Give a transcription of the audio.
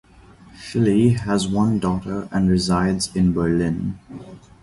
Schily has one daughter and resides in Berlin.